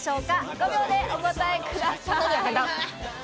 ５秒でお答えください。